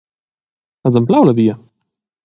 Has anflau la via?